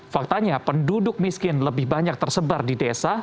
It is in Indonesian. faktanya penduduk miskin lebih banyak tersebar di desa